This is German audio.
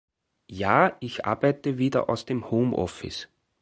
Ja, ich arbeite wieder aus dem Homeoffice.